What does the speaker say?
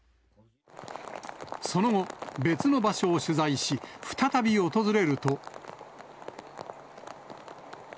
その後、別の場所を取材し、再び訪れると。